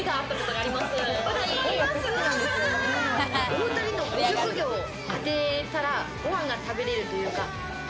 お２人のご職業を当てたらご飯が食べれるというか。